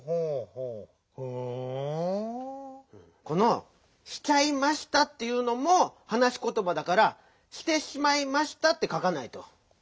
この「しちゃいました」っていうのもはなしことばだから「『してしまい』ました」ってかかないと。